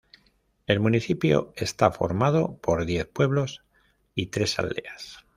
El municipio está formado por diez pueblos y tres aldeas.